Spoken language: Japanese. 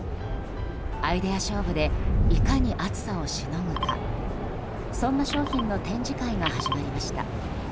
アイデア勝負でいかに暑さをしのぐかそんな商品の展示会が始まりました。